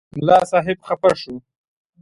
ملا صاحب خفه شو.